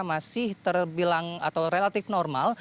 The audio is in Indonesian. masih terbilang atau relatif normal